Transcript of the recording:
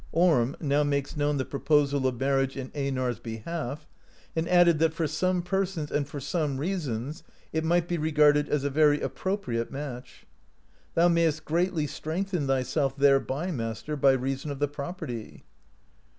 Orm now makes known the proposal of marriage in Ein ar's behalf, and added that for some persons and for some reasons it might be regarded as a very appropriate match : "thou mayest greatly strengthen th3rself thereby, master, by reason of the property."